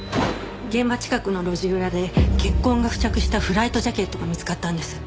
現場近くの路地裏で血痕が付着したフライトジャケットが見つかったんです。